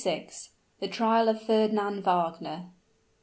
THE TRIAL OF FERNAND WAGNER.